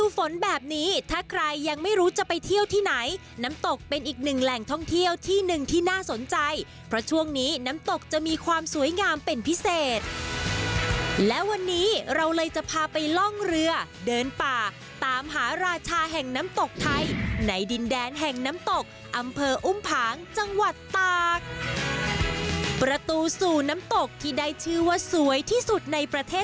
ฝนแบบนี้ถ้าใครยังไม่รู้จะไปเที่ยวที่ไหนน้ำตกเป็นอีกหนึ่งแหล่งท่องเที่ยวที่หนึ่งที่น่าสนใจเพราะช่วงนี้น้ำตกจะมีความสวยงามเป็นพิเศษและวันนี้เราเลยจะพาไปล่องเรือเดินป่าตามหาราชาแห่งน้ำตกไทยในดินแดนแห่งน้ำตกอำเภออุ้มผางจังหวัดตากประตูสู่น้ำตกที่ได้ชื่อว่าสวยที่สุดในประเทศ